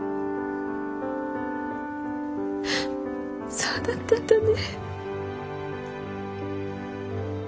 そうだったんだね。